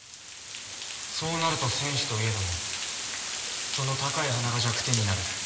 そうなると戦士といえどもその高い鼻が弱点になる。